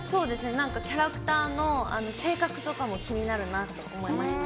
なんかキャラクターの性格とかも気になるなって思いました。